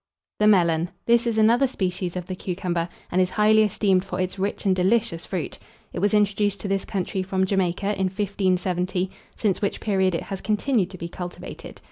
THE MELON. This is another species of the cucumber, and is highly esteemed for its rich and delicious fruit. It was introduced to this country from Jamaica, in 1570; since which period it has continued to be cultivated.